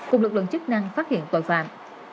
cùng lực lượng chức năng phát hiện tội phạm